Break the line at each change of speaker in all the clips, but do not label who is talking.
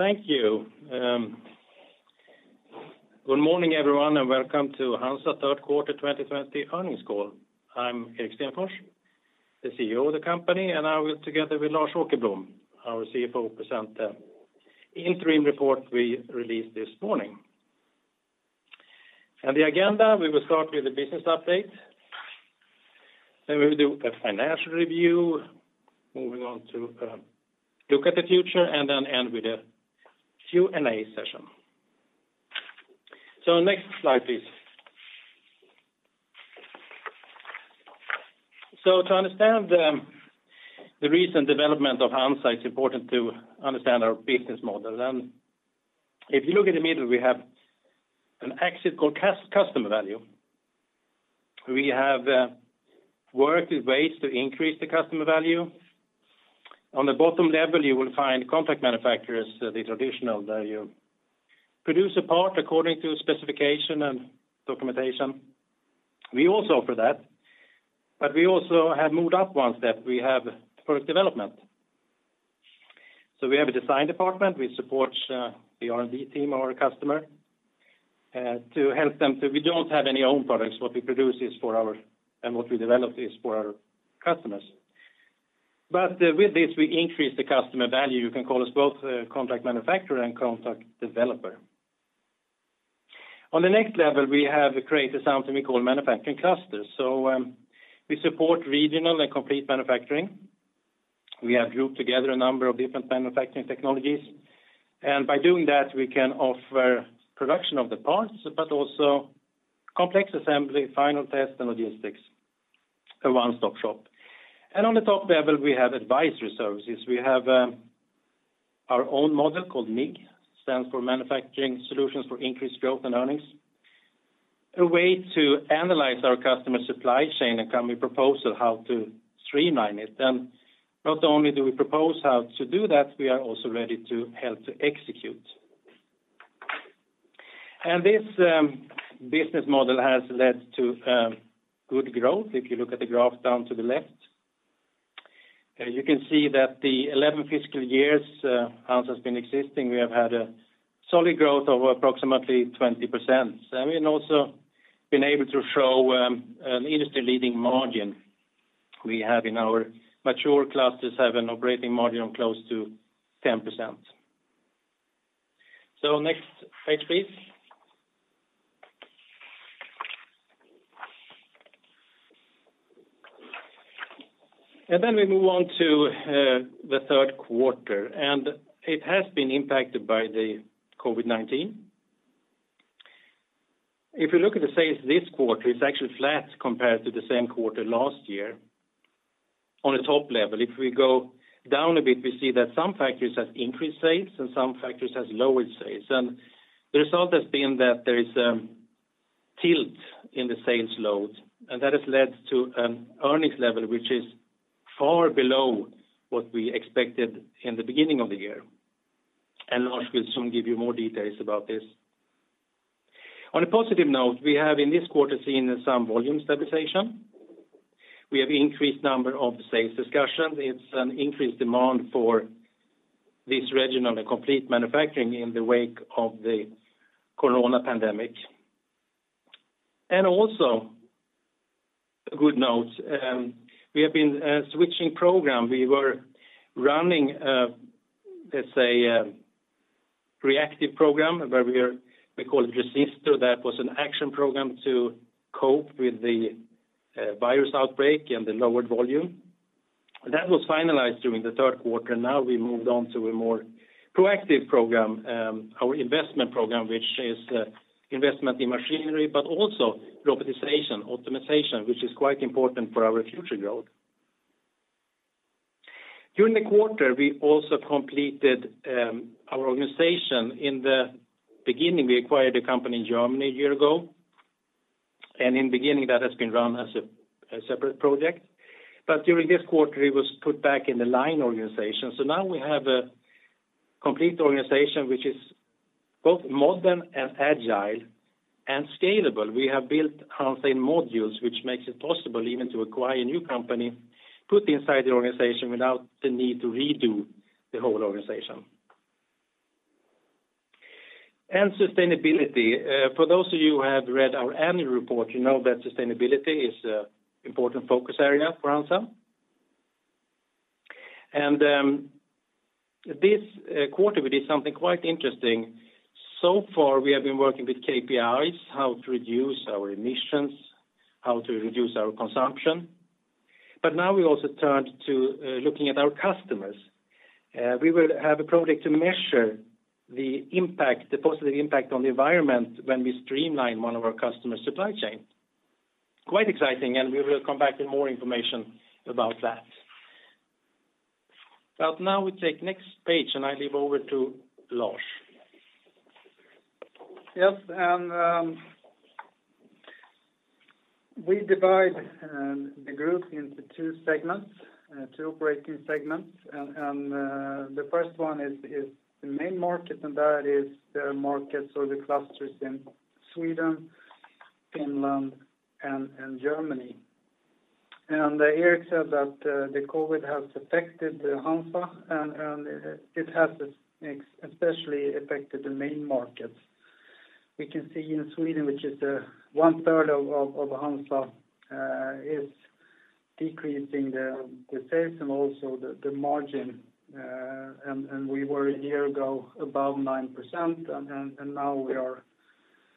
Thank you. Good morning, everyone, and welcome to HANZA third quarter 2020 earnings call. I am Erik Stenfors, the CEO of the company, and I will, together with Lars Åkerblom, our CFO, present the interim report we released this morning. The agenda, we will start with the business update, then we will do a financial review, moving on to look at the future, and then end with a Q&A session. Next slide, please. To understand the recent development of HANZA, it is important to understand our business model. If you look in the middle, we have an axis called customer value. We have worked with ways to increase the customer value. On the bottom level, you will find contract manufacturers, the traditional value. Produce a part according to specification and documentation. We also offer that, but we also have moved up one step. We have product development. We have a design department. We support the R&D team or a customer, to help them. We don't have any own products. What we produce and what we develop is for our customers. With this, we increase the customer value. You can call us both a contract manufacturer and contract developer. On the next level, we have created something we call manufacturing clusters. We support regional and complete manufacturing. We have grouped together a number of different manufacturing technologies, and by doing that, we can offer production of the parts, but also complex assembly, final test, and logistics. A one-stop shop. On the top level, we have advisory services. We have our own model called MIG, stands for Manufacturing Solutions for Increased Growth and Earnings. A way to analyze our customer supply chain, can we propose on how to streamline it, not only do we propose how to do that, we are also ready to help to execute. This business model has led to good growth, if you look at the graph down to the left. You can see that the 11 fiscal years HANZA has existed, we have had a solid growth of approximately 20%. We have also been able to show an industry-leading margin. We have in our mature clusters an operating margin of close to 10%. Next page, please. We move on to the third quarter, and it has been impacted by the COVID-19. If you look at the sales this quarter, it is actually flat compared to the same quarter last year on a top level. If we go down a bit, we see that some factors have increased sales and some factors have lowered sales, and the result has been that there is a tilt in the sales load, and that has led to an earnings level which is far below what we expected in the beginning of the year. Lars will soon give you more details about this. On a positive note, we have in this quarter seen some volume stabilization. We have increased number of sales discussions. It's an increased demand for this regional and complete manufacturing in the wake of the COVID-19 pandemic. Also, a good note, we have been switching program. We were running a, let's say, reactive program where we call it Resistor. That was an action program to cope with the COVID-19 outbreak and the lowered volume. That was finalized during the third quarter. Now we moved on to a more proactive program, our investment program, which is investment in machinery, but also robotization, optimization, which is quite important for our future growth. During the quarter, we also completed our organization. In the beginning, we acquired a company in Germany a year ago, and in the beginning that has been run as a separate project. During this quarter, it was put back in the line organization, now we have a complete organization which is both modern and agile and scalable. We have built HANZA in modules, which makes it possible even to acquire a new company, put inside the organization without the need to redo the whole organization. Sustainability. For those of you who have read our annual report, you know that sustainability is an important focus area for HANZA. This quarter, we did something quite interesting. Far, we have been working with KPIs, how to reduce our emissions, how to reduce our consumption. Now we also turned to looking at our customers. We will have a project to measure the positive impact on the environment when we streamline one of our customer supply chain. Quite exciting, and we will come back with more information about that. Now we take next page, and I leave over to Lars.
Yes. We divide the group into two segments, two operating segments, the first one is the main market, and that is the markets or the clusters in Sweden, Finland, and Germany. Erik said that the COVID has affected HANZA, it has especially affected the main markets. We can see in Sweden, which is one third of HANZA, is decreasing the sales and also the margin. We were a year ago above 9%, now we are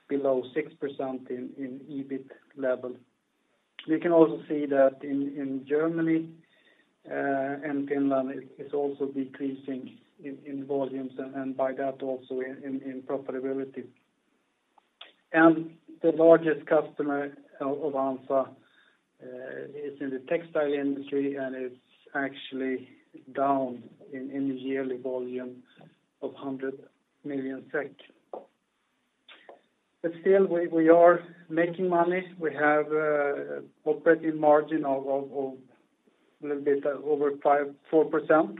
below 6% in EBIT level. We can also see that in Germany and Finland, it's also decreasing in volumes and by that, also in profitability. The largest customer of HANZA is in the textile industry, it's actually down in the yearly volume of 100 million SEK. Still, we are making money. We have operating margin of a little bit over 4%.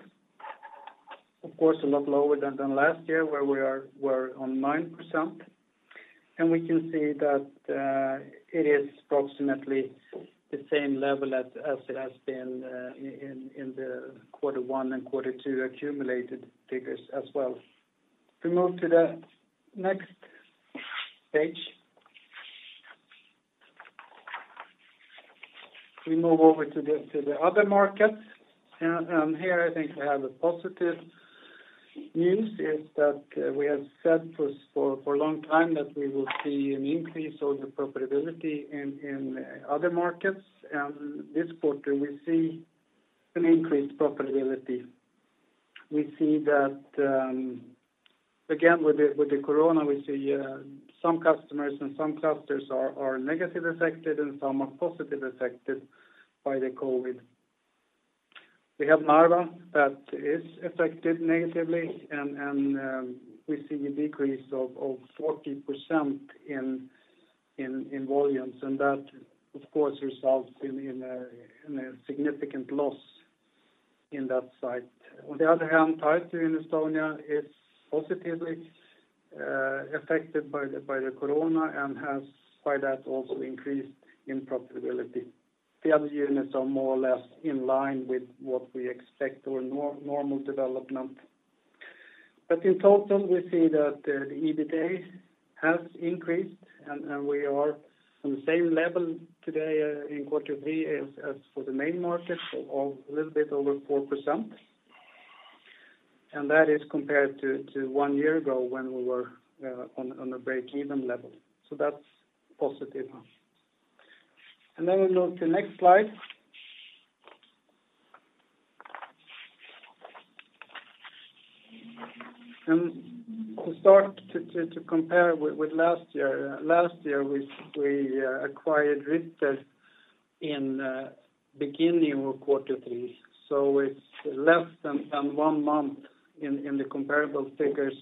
Of course, a lot lower than last year where we were on 9%. We can see that it is approximately the same level as it has been in the quarter one and quarter two accumulated figures as well. We move to the next page. We move over to the other markets, and here I think we have the positive news is that we have said for a long time that we will see an increase of the profitability in the other markets. This quarter we see an increased profitability. Again, with the COVID-19, we see some customers and some clusters are negatively affected, and some are positively affected by the COVID-19. We have Narva that is affected negatively, and we see a decrease of 40% in volumes. That, of course, results in a significant loss in that site. HANZA Mechanics Tartu in Estonia is positively affected by the COVID-19 and has, by that, also increased in profitability. The other units are more or less in line with what we expect or normal development. In total, we see that the EBITA has increased, and we are on the same level today in quarter three as for the main market of a little bit over 4%. Compared to one year ago when we were on a breakeven level. That's positive. We move to next slide. To start to compare with last year, last year we acquired Ritter in beginning of quarter three. It's less than one month in the comparable figures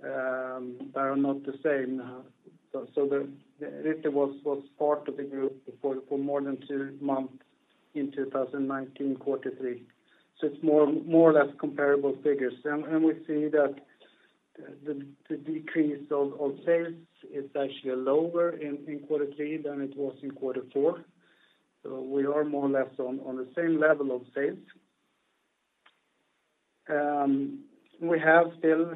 that are not the same now. The Ritter Elektronik GmbH was part of the group for more than two months in 2019, quarter three. It's more or less comparable figures. We see that the decrease of sales is actually lower in quarter three than it was in quarter four. We are more or less on the same level of sales. We have still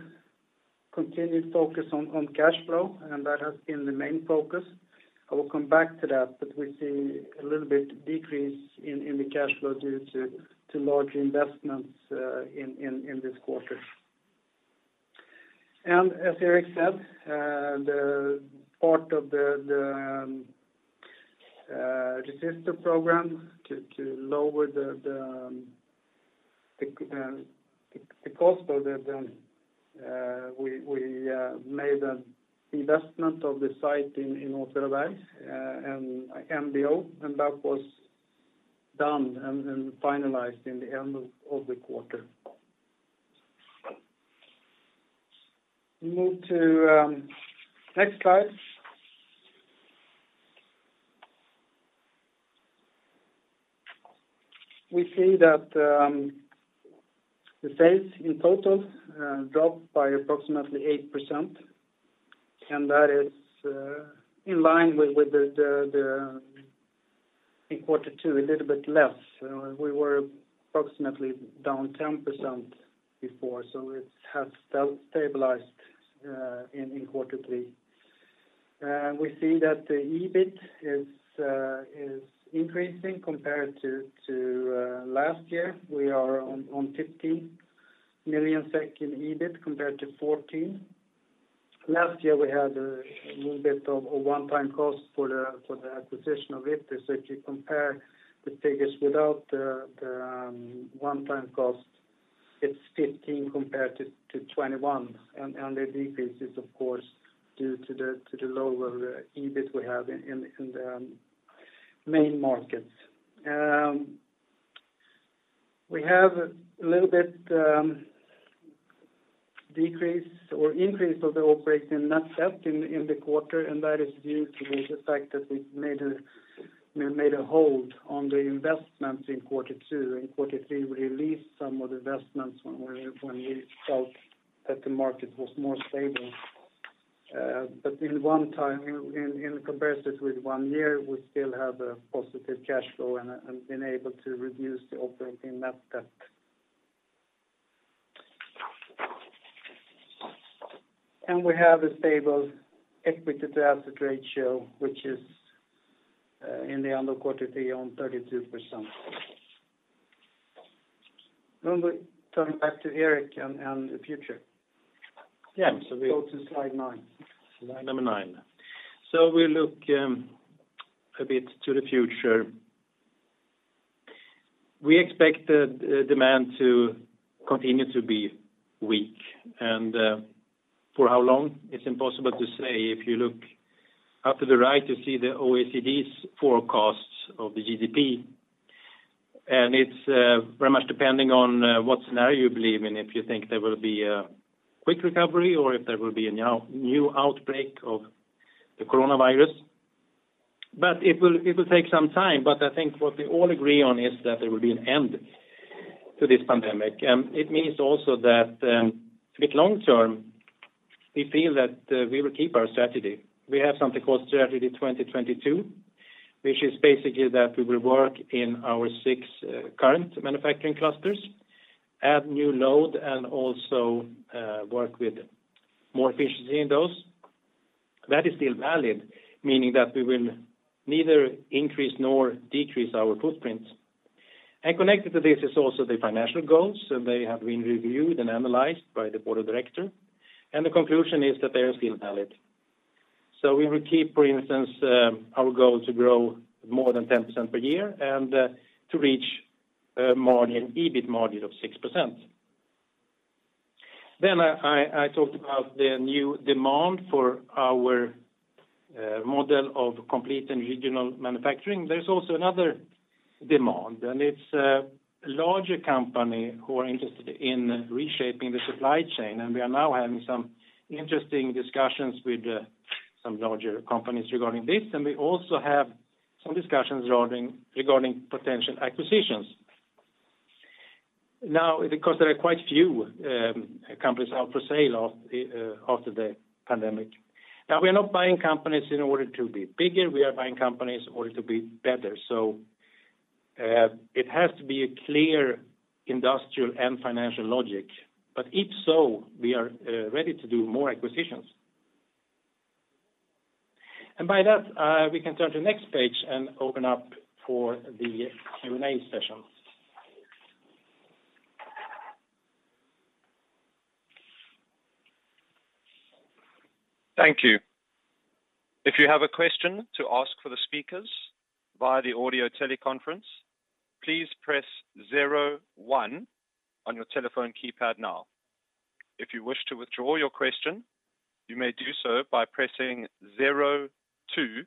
continued focus on cash flow, and that has been the main focus. I will come back to that, but we see a little bit decrease in the cash flow due to large investments in this quarter. As Erik said, the part of the Resistor programs to lower the cost Ritter, we made an investment of the site in Åtvidaberg, MBO, and that was done and finalized in the end of the quarter. We move to next slide. We see that the sales in total dropped by approximately 8%, and that is in line with the quarter two, a little bit less. We were approximately down 10% before. It has stabilized in quarter three. We see that the EBIT is increasing compared to last year. We are on 15 million SEK in EBIT compared to 14 million. Last year we had a little bit of a one-time cost for the acquisition of it. If you compare the figures without the one-time cost, it's 15 million compared to 21 million The decrease is, of course, due to the lower EBIT we have in the main markets. We have a little bit increase of the operating net debt in the quarter, and that is due to the fact that we made a hold on the investments in quarter two. In quarter three, we released some of the investments when we felt that the market was more stable. In one time, in comparison with one year, we still have a positive cash flow and been able to reduce the operating net debt. We have a stable equity to asset ratio, which is in the end of quarter three on 32%. We turn back to Erik on the future.
Yeah.
Go to slide nine.
Slide number nine. We look a bit to the future. We expect the demand to continue to be weak, and for how long? It is impossible to say. If you look up to the right, you see the OECD's forecasts of the GDP, and it is very much depending on what scenario you believe in. If you think there will be a quick recovery or if there will be a new outbreak of the coronavirus. It will take some time, but I think what we all agree on is that there will be an end to this pandemic. It means also that with long term, we feel that we will keep our strategy. We have something called Strategy 2022, which is basically that we will work in our six current manufacturing clusters, add new load, and also work with more efficiency in those. That is still valid, meaning that we will neither increase nor decrease our footprint. Connected to this is also the financial goals. They have been reviewed and analyzed by the board of director, and the conclusion is that they are still valid. We will keep, for instance, our goal to grow more than 10% per year and to reach an EBIT margin of 6%. I talked about the new demand for our model of complete and regional manufacturing. There's also another demand, and it's a larger company who are interested in reshaping the supply chain, and we are now having some interesting discussions with some larger companies regarding this. We also have some discussions regarding potential acquisitions. Because there are quite few companies out for sale after the pandemic. We are not buying companies in order to be bigger. We are buying companies in order to be better. It has to be a clear industrial and financial logic, but if so, we are ready to do more acquisitions. By that, we can turn to the next page and open up for the Q&A session.
Thank you. If you have a question to ask for the speakers via the audio teleconference, please press zero one on your telephone keypad now. If you wish to withdraw your question, you may do so by pressing zero two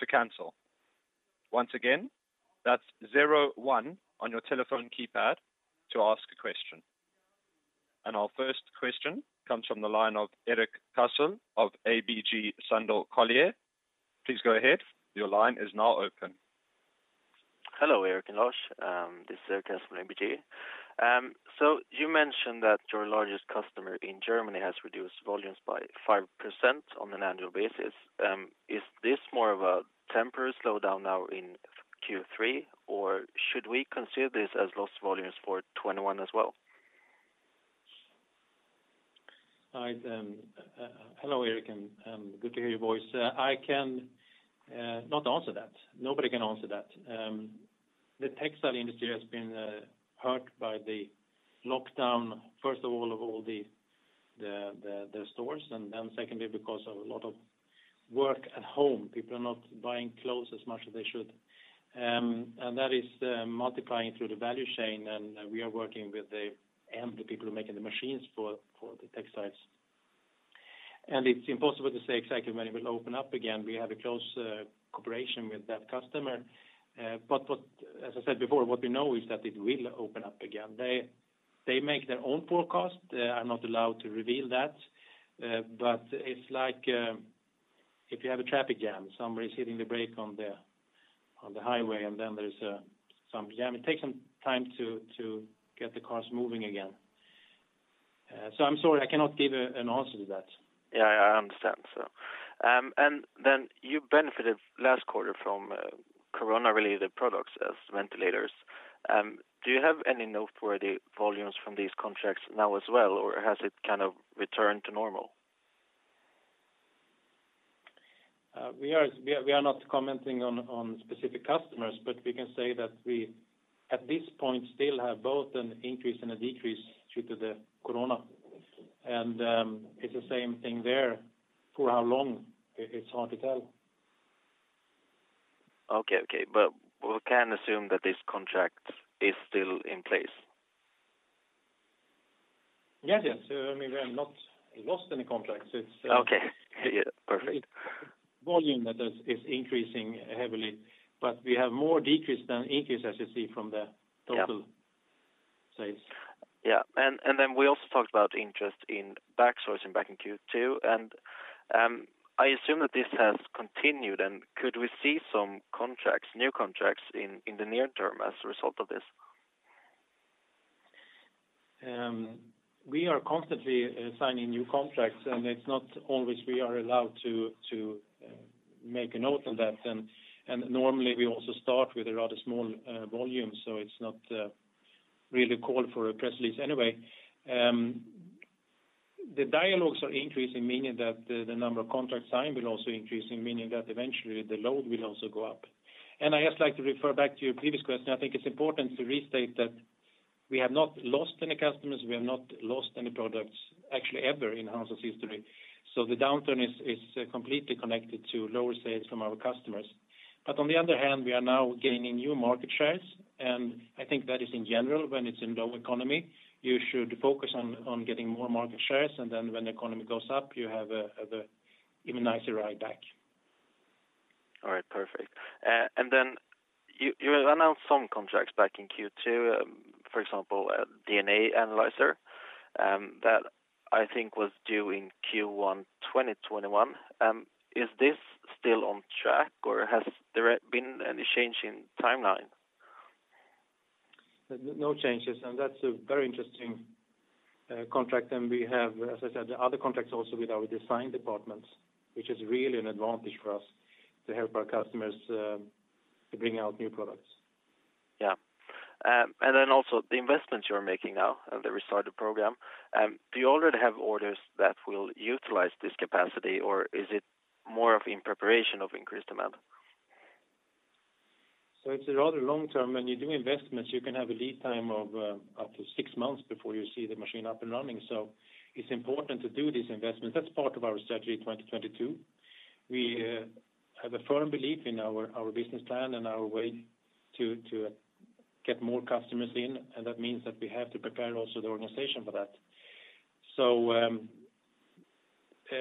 to cancel. Once again, that's zero one on your telephone keypad to ask a question. Our first question comes from the line of Erik Cassel of ABG Sundal Collier. Please go ahead. Your line is now open.
Hello, Erik and Lars. This is Erik Cassel from ABG Sundal Collier. You mentioned that your largest customer in Germany has reduced volumes by 5% on an annual basis. Is this more of a temporary slowdown now in Q3, or should we consider this as lost volumes for 2021 as well?
Hi, hello, Erik, and good to hear your voice. I cannot answer that. Nobody can answer that. The textile industry has been hurt by the lockdown, first of all, of all the stores, and then secondly, because of a lot of work at home. People are not buying clothes as much as they should. That is multiplying through the value chain, and we are working with the end people who are making the machines for the textiles. It's impossible to say exactly when it will open up again. We have a close cooperation with that customer. As I said before, what we know is that it will open up again. They make their own forecast. I'm not allowed to reveal that, but it's like if you have a traffic jam, somebody's hitting the brake on the highway, and then there's some jam. It takes some time to get the cars moving again. I'm sorry, I cannot give an answer to that.
Yeah, I understand, sir. You benefited last quarter from COVID-19-related products as ventilators. Do you have any noteworthy volumes from these contracts now as well, or has it kind of returned to normal?
We are not commenting on specific customers, but we can say that we, at this point, still have both an increase and a decrease due to the COVID-19. It's the same thing there. For how long, it's hard to tell.
Okay. We can assume that this contract is still in place?
Yes. We have not lost any contracts.
Okay. Yeah, perfect.
Volume that is increasing heavily, but we have more decrease than increase as you see from the total-.
Yeah
sales.
Yeah. We also talked about interest in back sourcing back in Q2, and I assume that this has continued, and could we see some new contracts in the near term as a result of this?
We are constantly signing new contracts. It's not always we are allowed to make a note on that. Normally we also start with a rather small volume, so it's not really called for a press release anyway. The dialogues are increasing, meaning that the number of contracts signed will also increase, meaning that eventually the load will also go up. I'd just like to refer back to your previous question. I think it's important to restate that we have not lost any customers, we have not lost any products, actually ever in HANZA's history. The downturn is completely connected to lower sales from our customers. On the other hand, we are now gaining new market shares, and I think that is in general, when it's in low economy, you should focus on getting more market shares, and then when the economy goes up, you have an even nicer ride back.
All right, perfect. Then you announced some contracts back in Q2, for example, a DNA analyzer, that I think was due in Q1 2021. Is this still on track or has there been any change in timeline?
No changes. That's a very interesting contract. We have, as I said, other contracts also with our design departments, which is really an advantage for us to help our customers to bring out new products.
Yeah. Then also the investments you are making now, the restarted program. Do you already have orders that will utilize this capacity or is it more in preparation of increased demand?
It's a rather long-term. When you do investments, you can have a lead time of up to six months before you see the machine up and running. It's important to do these investments. That's part of our Strategy 2022. We have a firm belief in our business plan and our way to get more customers in. That means that we have to prepare also the organization for that.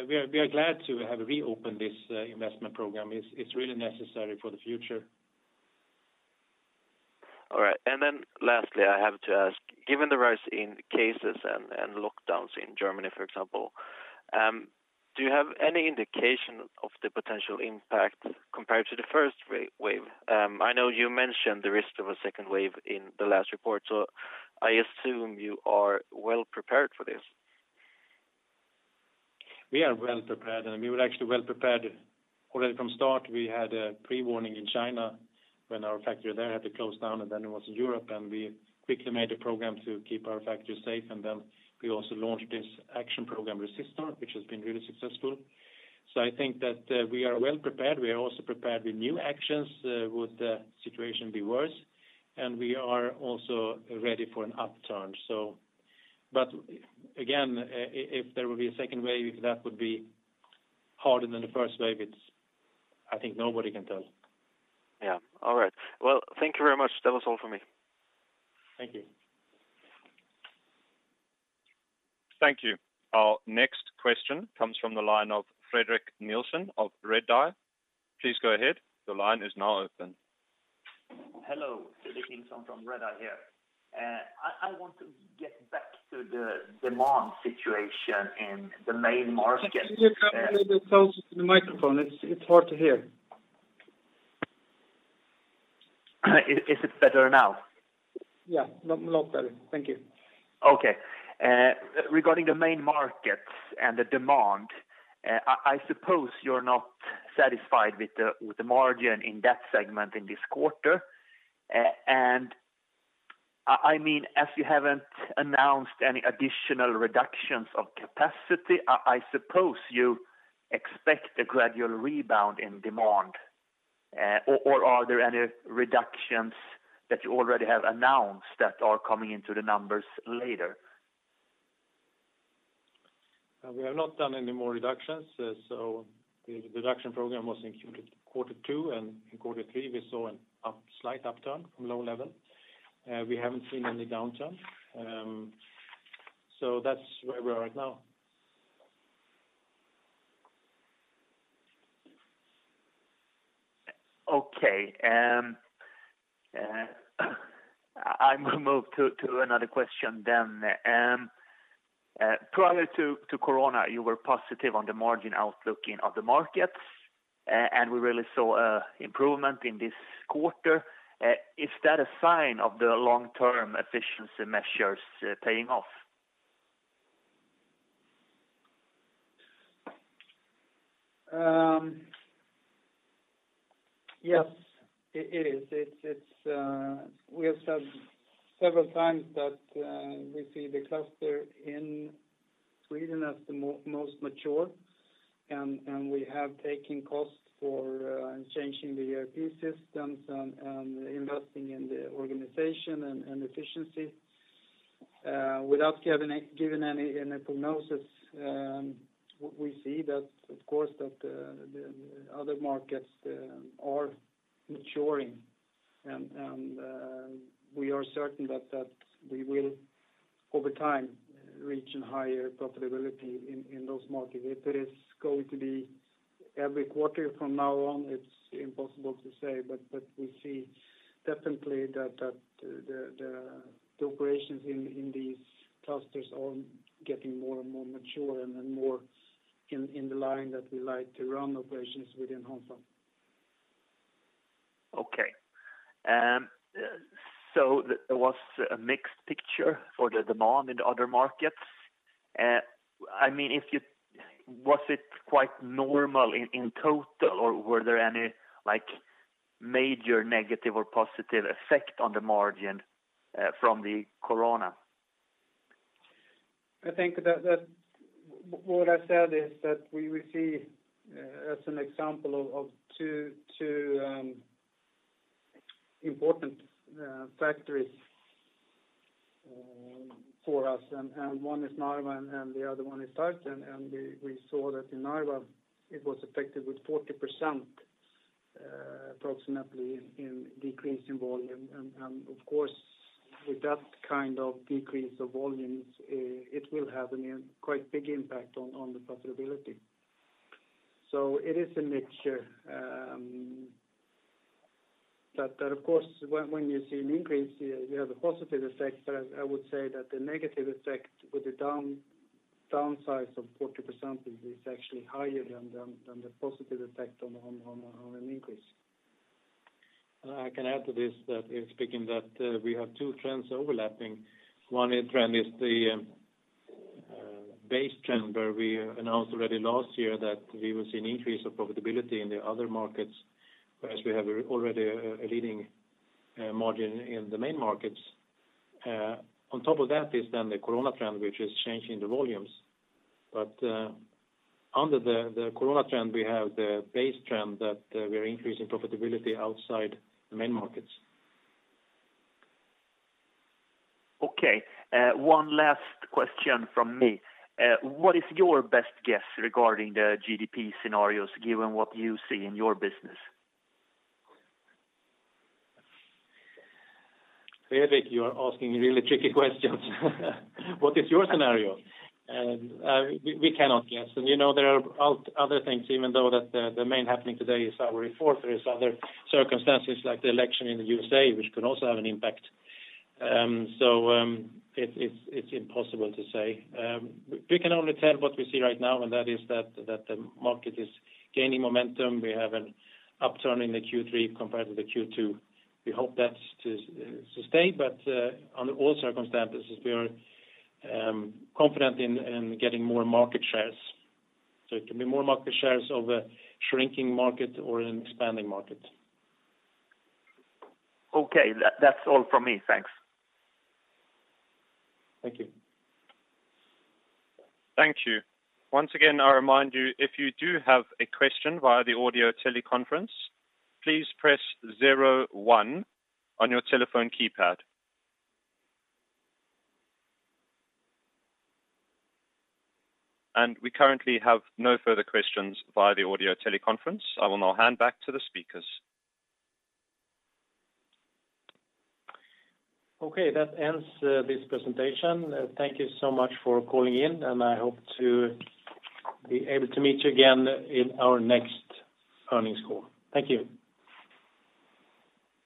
We are glad to have reopened this investment program. It's really necessary for the future.
All right. Lastly, I have to ask, given the rise in cases and lockdowns in Germany, for example, do you have any indication of the potential impact compared to the first wave? I know you mentioned the risk of a second wave in the last report, so I assume you are well prepared for this.
We are well prepared. We were actually well prepared already from start. We had a pre-warning in China when our factory there had to close down, and then it was in Europe, and we quickly made a program to keep our factory safe. Then we also launched this action program, Resistor, which has been really successful. I think that we are well prepared. We are also prepared with new actions should the situation be worse. We are also ready for an upturn. Again, if there will be a second wave, if that would be harder than the first wave, I think nobody can tell.
Yeah. All right. Well, thank you very much. That was all for me.
Thank you.
Thank you. Our next question comes from the line of Fredrik Nilsson of Redeye. Please go ahead.
Hello. Fredrik Nilsson from Redeye here. I want to get back to the demand situation in the main market.
Can you get a little bit closer to the microphone? It's hard to hear.
Is it better now?
Yeah, a lot better. Thank you.
Okay. Regarding the main markets and the demand, I suppose you're not satisfied with the margin in that segment in this quarter. As you haven't announced any additional reductions of capacity, I suppose you expect a gradual rebound in demand. Are there any reductions that you already have announced that are coming into the numbers later?
We have not done any more reductions. The reduction program was in Q2, and in Q3 we saw a slight upturn from low level. We haven't seen any downturn. That's where we are right now.
I move to another question then. Prior to COVID-19, you were positive on the margin outlook of the markets, and we really saw improvement in this quarter. Is that a sign of the long-term efficiency measures paying off?
Yes, it is. We have said several times that we see the cluster in Sweden as the most mature, and we have taken costs for changing the ERP systems and investing in the organization and efficiency. Without giving any prognosis, we see that, of course, the other markets are maturing, and we are certain that we will over time reach a higher profitability in those markets. If it is going to be every quarter from now on, it's impossible to say. We see definitely that the operations in these clusters are getting more and more mature and more in the line that we like to run operations within HANZA.
Okay. There was a mixed picture for the demand in the other markets. Was it quite normal in total, or were there any major negative or positive effect on the margin from the COVID-19?
I think that what I said is that we will see as an example of two important factories for us, one is Narva and the other one is Tartu. We saw that in Narva, it was affected with 40% approximately in decrease in volume. Of course, with that kind of decrease of volumes, it will have a quite big impact on the profitability. It is a mixture. Of course, when you see an increase, you have a positive effect. I would say that the negative effect with the downsize of 40% is actually higher than the positive effect on an increase.
I can add to this that in speaking that we have two trends overlapping. One trend is the base trend where we announced already last year that we will see an increase of profitability in the other markets as we have already a leading margin in the main markets. On top of that is then the corona trend, which is changing the volumes. Under the corona trend, we have the base trend that we're increasing profitability outside the main markets.
Okay. One last question from me. What is your best guess regarding the GDP scenarios, given what you see in your business?
Fredrik, you are asking really tricky questions. What is your scenario? We cannot guess. There are other things, even though that the main happening today is our report, there is other circumstances like the election in the U.S.A., which can also have an impact. It's impossible to say. We can only tell what we see right now, and that is that the market is gaining momentum. We have an upturn in the Q3 compared to the Q2. We hope that's to sustain, but on all circumstances, we are confident in getting more market shares. It can be more market shares of a shrinking market or an expanding market.
Okay. That's all from me. Thanks.
Thank you.
Thank you. Once again, I remind you, if you do have a question via the audio teleconference, please press zero one on your telephone keypad. We currently have no further questions via the audio teleconference. I will now hand back to the speakers.
Okay. That ends this presentation. Thank you so much for calling in. I hope to be able to meet you again in our next earnings call. Thank you.